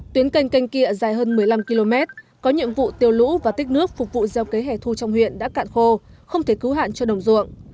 tuyến canh canh kia dài hơn một mươi năm km có nhiệm vụ tiêu lũ và tích nước phục vụ gieo cấy hẻ thu trong huyện đã cạn khô không thể cứu hạn cho đồng ruộng